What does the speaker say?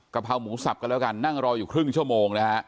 เพราหมูสับกันแล้วกันนั่งรออยู่ครึ่งชั่วโมงนะฮะ